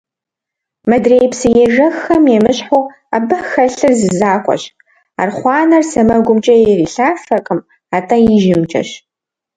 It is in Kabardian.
Мыдрей псы ежэххэм емыщхьу абы хэлъыр зы закъуэщ – архъуанэр сэмэгумкӏэ ирилъафэркъым, атӏэ ижьымкӏэщ!